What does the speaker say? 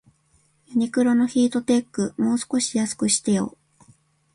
ユニクロのヒートテック、もう少し安くしてよ